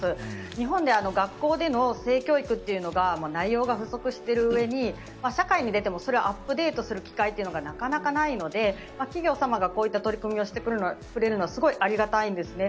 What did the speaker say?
日本で学校での授業の内容が不足しているうえに社会に出てもそれをアップデートする機会がないので企業さんがこういった取り組みをしてくれるのはすごいありがたいんですね。